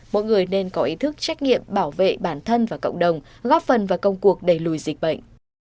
mỗi người nên có ý thức trách nhiệm bảo vệ bản thân và cộng đồng góp phần vào công cuộc đẩy lùi dịch bệnh